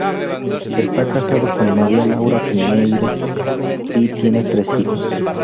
Está casado con María Laura Piñeyro y tiene tres hijos.